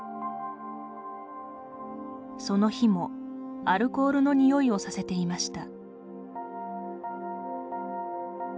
その日もアルコールの匂いをさせていました。